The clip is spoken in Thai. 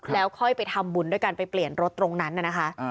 แล้วค่อยไปทำบุญด้วยการไปเปลี่ยนรถตรงนั้นน่ะนะคะ